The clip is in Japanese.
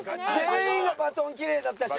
全員がバトンきれいだったし。